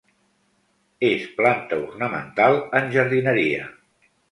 És planta ornamental en jardineria.